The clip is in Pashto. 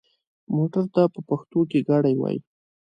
موټر ته په پښتو کې ګاډی وايي.